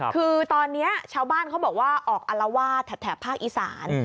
คือตอนนี้ชาวบ้านเขาบอกว่าออกอลวาดแถบภาคอีสาน